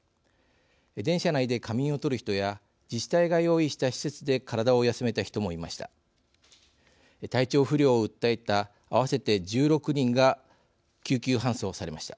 電車内で仮眠を取る人や自治体が用意した施設で体を休めた人もいました。